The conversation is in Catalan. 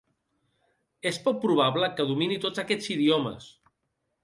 És poc probable que domini tots aquests idiomes.